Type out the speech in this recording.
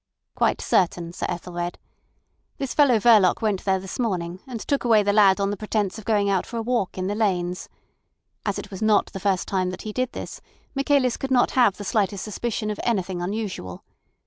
"Quite certain, Sir Ethelred. This fellow Verloc went there this morning, and took away the lad on the pretence of going out for a walk in the lanes. As it was not the first time that he did this, Michaelis could not have the slightest suspicion of anything unusual.